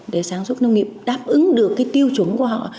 để sáng súc nông nghiệp đáp ứng được cái tiêu chuẩn của họ